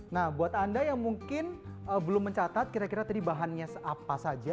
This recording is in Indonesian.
nah buat anda yang mungkin belum mencatat kira kira tadi bahannya apa saja